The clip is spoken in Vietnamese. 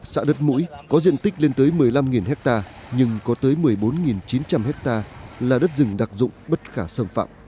xã đất mũi có diện tích lên tới một mươi năm hectare nhưng có tới một mươi bốn chín trăm linh hectare là đất rừng đặc dụng bất khả xâm phạm